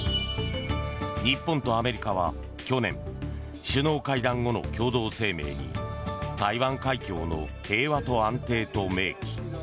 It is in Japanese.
日本とアメリカは去年首脳会談後の共同声明に台湾海峡の平和と安定と明記。